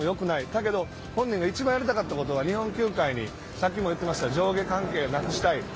だけど本人が一番やりたかったことは日本球界に上下関係なくしたい。